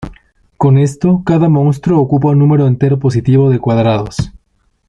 Con esto, cada monstruo ocupa un número entero positivo de cuadrados.